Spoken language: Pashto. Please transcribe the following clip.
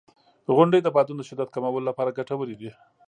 • غونډۍ د بادونو د شدت کمولو لپاره ګټورې دي.